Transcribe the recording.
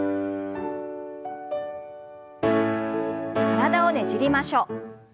体をねじりましょう。